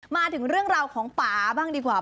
มาถึงเรื่องราวของป่าบ้างดีกว่า